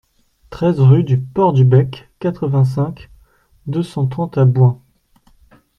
treize rue du Port du Bec, quatre-vingt-cinq, deux cent trente à Bouin